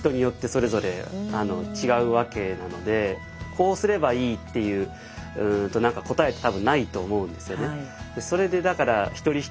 こうすればいいっていうと答えって多分ないと思うんですよね。